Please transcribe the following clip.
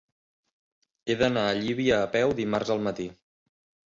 He d'anar a Llívia a peu dimarts al matí.